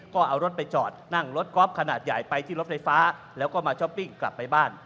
ก็เอารถไปจอดนั่งรถกอล์ฟขนาดใหญ่ไปที่รถไฟฟ้าแล้วก็มาช้อปปิ้งกลับไปบ้าน